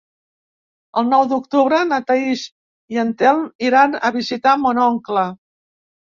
El nou d'octubre na Thaís i en Telm iran a visitar mon oncle.